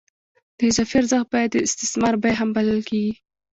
د اضافي ارزښت بیه د استثمار بیه هم بلل کېږي